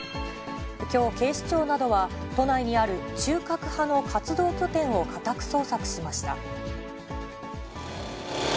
きょう、警視庁などは、都内にある中核派の活動拠点を家宅捜索しました。